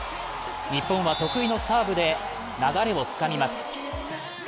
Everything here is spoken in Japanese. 日本は、得意のサーブで流れをつかみます。